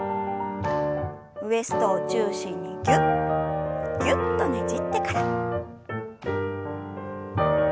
ウエストを中心にギュッギュッとねじってから。